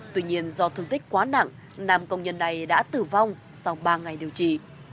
tuy nhiên do thương tích quá nặng nam công nhân này đã tử vong sau ba ngày điều trị